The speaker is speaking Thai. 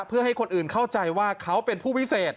เพื่อให้คนอื่นเข้าใจว่าเขาเป็นผู้วิเศษ